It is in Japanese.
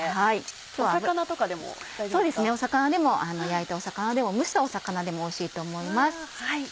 魚でも焼いた魚でも蒸した魚でもおいしいと思います。